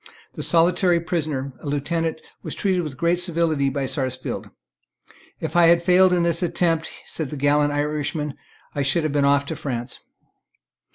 The solitary prisoner, a lieutenant, was treated with great civility by Sarsfield. "If I had failed in this attempt," said the gallant Irishman, "I should have been off to France."